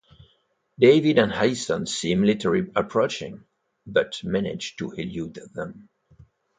David and Allison see military police approaching, but manage to elude them.